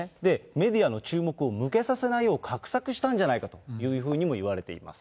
メディアの注目を向けさせないよう、画策したんじゃないかともいわれています。